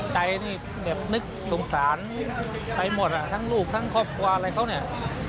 ใจนี่แบบนึกสงสารไปหมดอ่ะทั้งลูกทั้งครอบครัวอะไรเขาเนี่ย